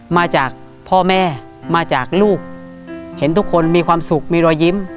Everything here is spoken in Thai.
มีความสุขมีรอยยิ้ม